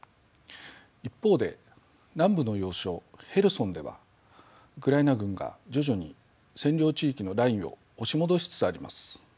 一方で南部の要衝ヘルソンではウクライナ軍が徐々に占領地域のラインを押し戻しつつあります。